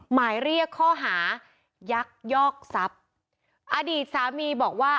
หมายเรียกข้อหายักยอกทรัพย์อดีตสามีบอกว่า